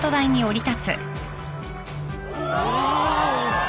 お！